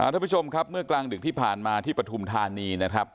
ท่านผู้ชมครับเมื่อกลางดึกที่ผ่านมาที่ปฐุมธานีนะครับ